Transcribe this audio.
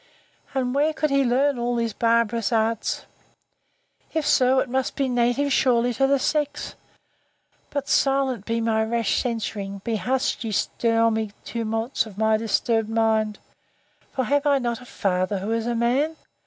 —And where could he learn all these barbarous arts?—If so, it must be native surely to the sex!—But, silent be my rash censurings; be hushed, ye stormy tumults of my disturbed mind! for have I not a father who is a man?